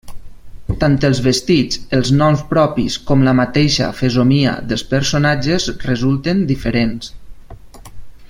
Tant els vestits, els noms propis, com la mateixa fesomia dels personatges resulten diferents.